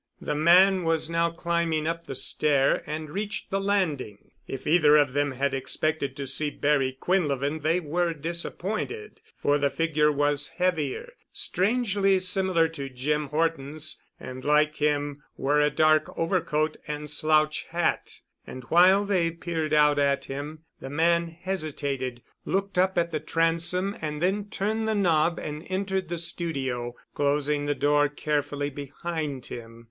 The man was now climbing up the stair and reached the landing. If either of them had expected to see Barry Quinlevin they were disappointed, for the figure was heavier, strangely similar to Jim Horton's, and like him wore a dark overcoat and slouch hat. And while they peered out at him, the man hesitated, looked up at the transom and then turned the knob and entered the studio, closing the door carefully behind him.